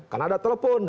kan ada telepon